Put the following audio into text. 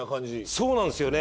そうなんですよね。